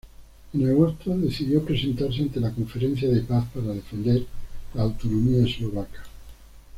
En agosto, decidió presentarse ante la Conferencia de Paz para defender la autonomía eslovaca.